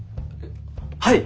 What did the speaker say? はい！